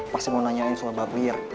pasti mau nanyain soal baprier